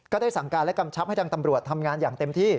ได้สั่งการและกำชับให้ทางตำรวจทำงานอย่างเต็มที่